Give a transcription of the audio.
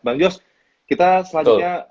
bang jos kita selanjutnya